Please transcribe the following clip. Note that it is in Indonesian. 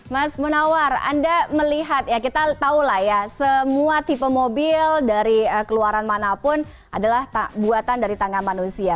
mas munawar anda melihat ya kita tahu lah ya semua tipe mobil dari keluaran manapun adalah buatan dari tangan manusia